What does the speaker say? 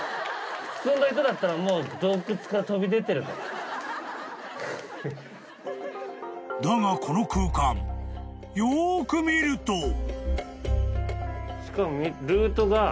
［だがこの空間よーく見ると］